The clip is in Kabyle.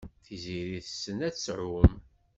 Tiziri tessen ad tɛum.